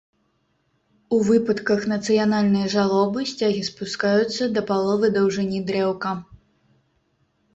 У выпадках нацыянальнай жалобы сцягі спускаюцца да паловы даўжыні дрэўка.